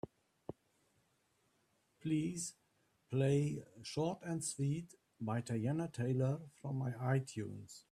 Please play Short And Sweet by Teyana Taylor from my itunes.